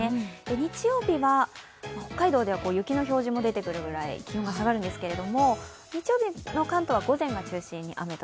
日曜日は北海道では雪の表示も出てくるぐらい気温が下がるんですけれども、日曜日の関東は午前を中心に雨と